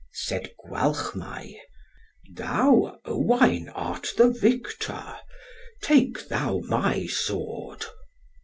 Said Gwalchmai, "Thou, Owain, art the victor; take thou my sword."